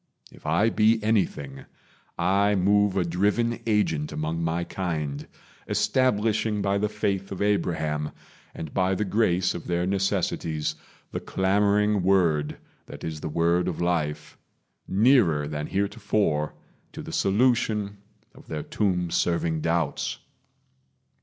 If I be anything, I move a driven agent among my kind, Establishing by the faith of Abraham, And by the grace of their necessities, The clamoring word that is the word of life Nearer than heretofore to the solution Of their tomb serving doubts.